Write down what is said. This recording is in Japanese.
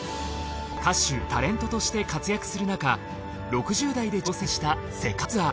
歌手タレントとして活躍するなか６０代で挑戦した世界ツアー。